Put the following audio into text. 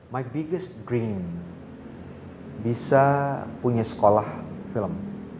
my biggest green bisa punya sekolah film